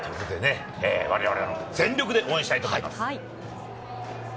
全力で応援したいと思います。